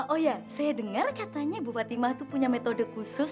oh iya saya dengar katanya ibu fatima tuh punya metode khusus